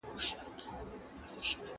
زه به سبا د سوالونو جواب ورکوم؟!